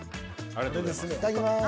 いただきます。